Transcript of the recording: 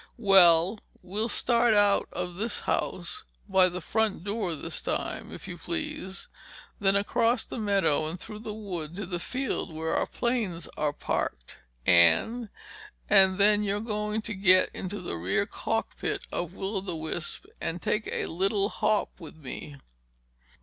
"Well, we'll start out of this house—by the front door this time, if you please—then across the meadow and through the wood to the field where our planes are parked." "And—?" "And then you're going to get into the rear cockpit of Will o' the Wisp and take a little hop with me."